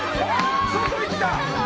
外行った！